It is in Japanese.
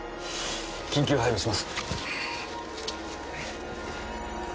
緊急配備します。